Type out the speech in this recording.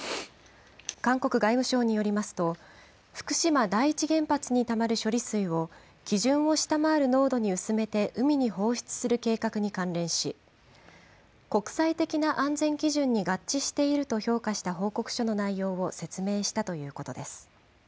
韓国外務省によりますと、福島第一原発にたまる処理水を、基準を下回る濃度に薄めて海に放出する計画に関連し、国際的な安全基準に合致していると評価した報告書の内容を説明したということです。